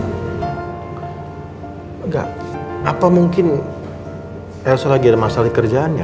nggak apa mungkin elsa lagi ada masalah di kerjaannya